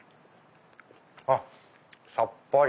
あっさっぱり。